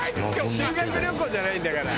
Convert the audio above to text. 「修学旅行じゃないんだから」